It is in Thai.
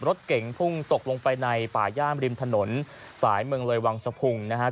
รถเก่งพุ่งตกลงไปในป่าย่ามริมถนนสายเมืองเลยวังสะพุงนะครับ